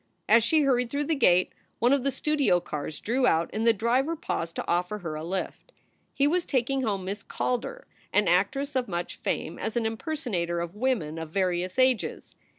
As she hurried through the gate, one of the studio cars drew out and the driver paused to offer her a lift. He was taking home Miss Calder, an actress of much fame as an impersonator of women of various ages.